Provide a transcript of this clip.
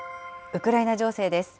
ウクライナ情勢です。